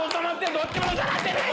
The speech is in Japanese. どっちも収まってない。